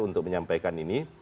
untuk menyampaikan ini